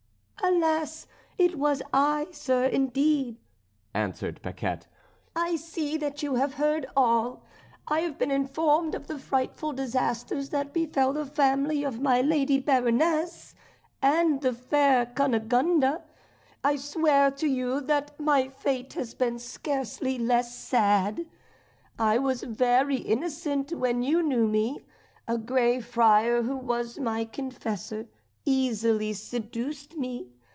"Alas! it was I, sir, indeed," answered Paquette. "I see that you have heard all. I have been informed of the frightful disasters that befell the family of my lady Baroness, and the fair Cunegonde. I swear to you that my fate has been scarcely less sad. I was very innocent when you knew me. A Grey Friar, who was my confessor, easily seduced me.